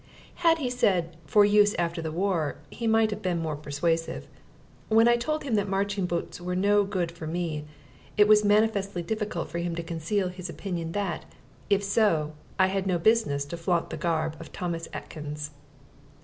Had he said "for use after the war" he might have been more persuasive. When I told him that marching boots were no good to me, it was manifestly difficult for him to conceal his opinion that, if so, I had no business to flaunt the garb of Thomas Atkins.